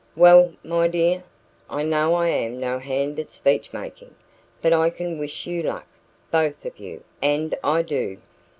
"Well, my dear, I know I am no hand at speech making, but I can wish you luck, both of you, and I do.